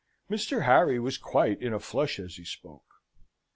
Mr. Harry was quite in a flush as he spoke.